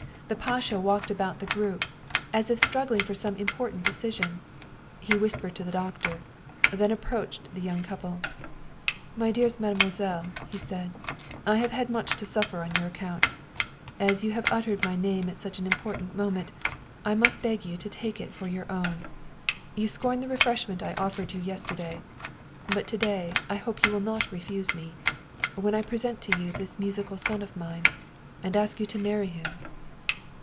The pasha walked about the group, as if struggling for some important de cision. He whispered to the doctor, then approached the young couple. " My dearest mademoiselle," he said, " I have had much to suffer on your account. As you have uttered my name at such an important moment, I must beg you to take it for your own. You scorned the refreshment I offered you yesterday. But to day I hope you will not refuse me when I present to you this musical son of mine, and ask you to marry him."